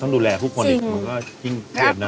ต้องดูแลผู้คนอีกมันก็ยิ่งเคล็ดนะ